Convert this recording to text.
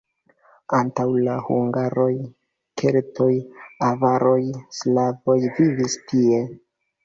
Antaŭ la hungaroj keltoj, avaroj, slavoj vivis tie.